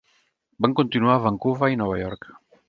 Van continuar a Vancouver i Nova York.